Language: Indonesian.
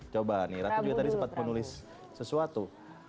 coba nih ratu juga tadi sempat menulis sesuatu